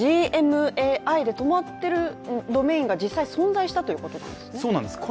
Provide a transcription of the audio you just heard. ｇｍａｉで止まってるドメインが実際に存在したということですね。